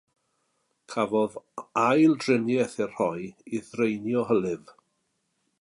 Cafodd ail driniaeth ei rhoi i ddraenio hylif.